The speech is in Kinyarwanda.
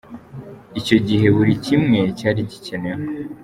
Icyo gihe buri kimwe cyari gikenewe.